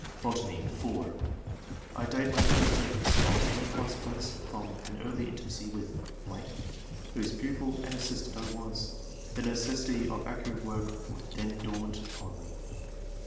Botany. ^{4c) I date my first efforts of any consequence from an early intimacy with ...., whose pupil and assistant I was; the necessity of accurate work then dawned upon me.